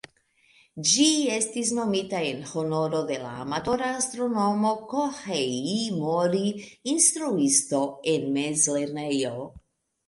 Ĝi estis nomita en honoro de la amatora astronomo "Kohei Mori", instruisto en mezlernejo.